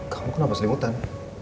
kamu kenapa selimutan